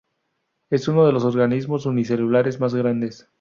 Es uno de los organismos unicelulares más grandes.